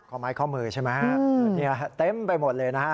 ข้อไม้ข้อมือใช่ไหมฮะเนี่ยเต็มไปหมดเลยนะฮะ